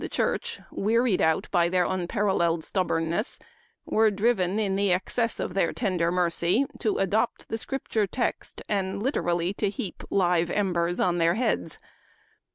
65 the Church, wearied out by their unparalleled stubbornness, were driven, in the excess of their tender mercy, to adopt the Scripture text, and literally to heap live embers on their heads.